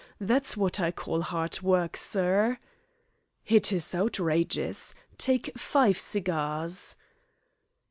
That's wot I call hard work, sir." "It is outrageous. Take five cigars."